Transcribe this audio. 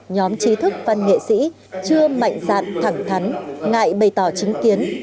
nhóm trí thức văn nghệ sĩ chưa mạnh dạn thẳng thắn ngại bày tỏ chính kiến